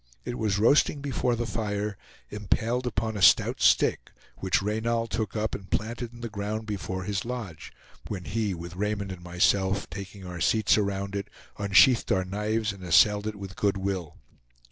It was roasting before the fire, impaled upon a stout stick, which Reynal took up and planted in the ground before his lodge; when he, with Raymond and myself, taking our seats around it, unsheathed our knives and assailed it with good will.